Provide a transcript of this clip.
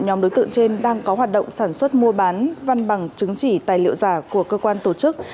nhóm đối tượng trên đang có hoạt động sản xuất mua bán văn bằng chứng chỉ tài liệu giả của cơ quan tổ chức